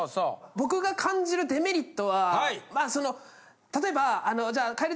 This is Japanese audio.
僕が感じるデメリットはまあその例えば。